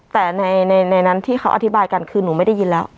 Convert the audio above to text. แต่ในนั้นที่เขาอธิบายกันคือหนูไม่ได้ยินแล้ว